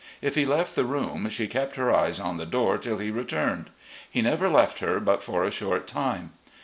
If he left the room, she kept her eyes on the door till he returned. He never left her but for a short time.